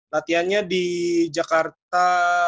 latihan nya di jakarta